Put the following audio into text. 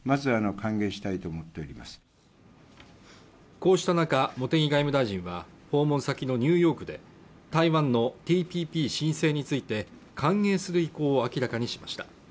こうした中茂木外務大臣は訪問先のニューヨークで台湾のＴＰＰ申請について歓迎する意向を明らかにしました